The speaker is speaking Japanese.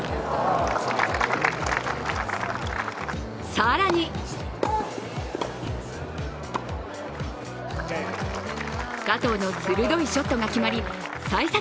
更に加藤の鋭いショットが決まりさい先